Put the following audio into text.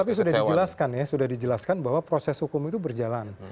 tapi sudah dijelaskan ya sudah dijelaskan bahwa proses hukum itu berjalan